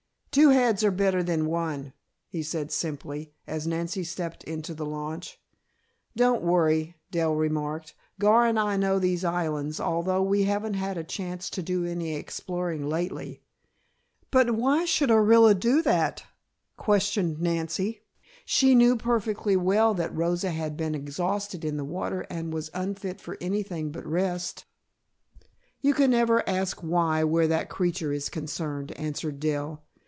"Two heads are better than one," he said simply, as Nancy stepped into the launch. "Don't worry," Dell remarked. "Gar and I know those islands, although we haven't had a chance to do any exploring lately." "But why should Orilla do that?" questioned Nancy. "She knew perfectly well that Rosa had been exhausted in the water and was unfit for anything but rest." "You can never ask why, where that creature is concerned," answered Dell.